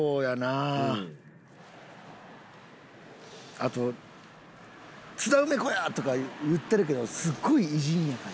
あと「津田梅子や！」とか言ってるけどすごい偉人やから。